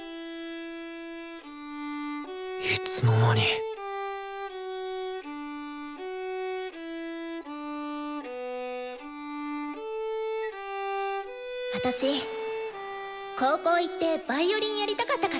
いつの間に私高校行ってヴァイオリンやりたかったから。